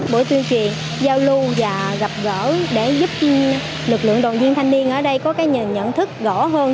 bộ tuyên truyền giao lưu và gặp gỡ để giúp lực lượng đồng dân thanh niên ở đây có nhận thức rõ hơn